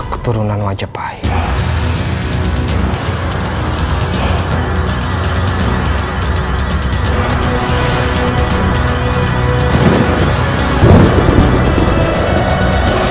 keturunan wajah pahit